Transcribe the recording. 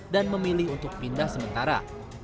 dan memilih untuk pindah sementara